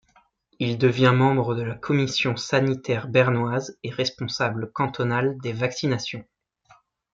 Il devient membre de la commission sanitaire bernoise et responsable cantonal des vaccinations.